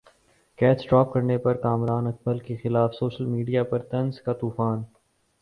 catch drop کرنے پر کامران اکمل کیخلاف سوشل میڈیا پر طنز کا طوفان